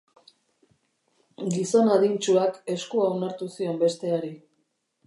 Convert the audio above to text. Gizon adintsuak eskua onartu zion besteari.